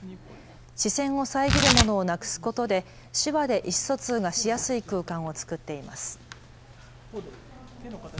視線を遮るものをなくすことで手話で意思疎通がしやすい空間を作っています。